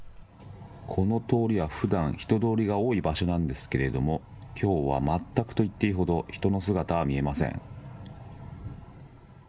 この通りはふだん、人通りが多い場所なんですけれども、きょうは全くと言っていいほど人の姿は見えません。